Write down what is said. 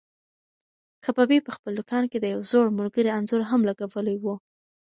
کبابي په خپل دوکان کې د یو زوړ ملګري انځور هم لګولی و.